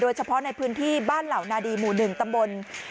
เฉพาะในพื้นที่บ้านเหล่านาดีหมู่๑ตำบล